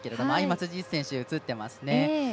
辻内選手映ってますね。